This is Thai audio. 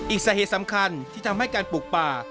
อีกสาเหตุสำคัญที่ทำให้การปลูกป่า